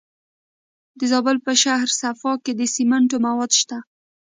د زابل په شهر صفا کې د سمنټو مواد شته.